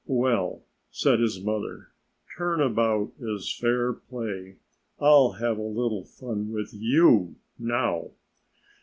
"Well," said his mother. "Turn about is fair play. I'll have a little fun with you, now."